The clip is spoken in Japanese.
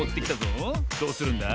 どうするんだ？